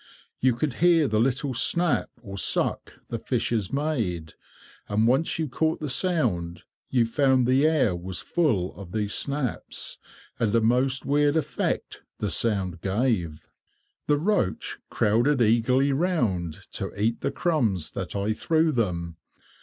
You could hear the little snap or suck the fishes made, and once you caught the sound you found the air was full of these snaps, and a most weird effect the sound gave. The roach crowded eagerly round to eat the crumbs that I threw them.